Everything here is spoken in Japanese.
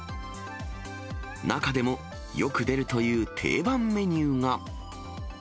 中でも、よく出るという定番メニューが。